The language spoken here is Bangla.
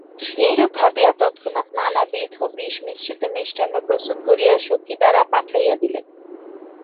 এইরূপ ভাবিয়া তৎক্ষণাৎ নানাবিধ বিষমিশ্রিত মিষ্টান্ন প্রস্তুত করিয়া সখী দ্বারা পাঠাইয়া দিলেন।